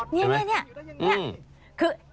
อ๋อนี่ถึงอยู่ได้อย่างนี้